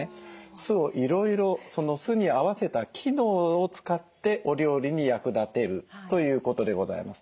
酢をいろいろその酢に合わせた機能を使ってお料理に役立てるということでございます。